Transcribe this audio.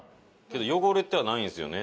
汚れてはないんですよね。